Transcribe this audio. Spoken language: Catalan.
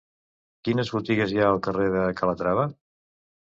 Quines botigues hi ha al carrer de Calatrava?